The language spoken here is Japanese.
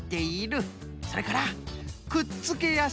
それからくっつけやすい。